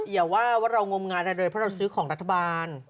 เดี๋ยวว่าเรางงงานได้เลยคือเราซื้อจุดของรัฐบาล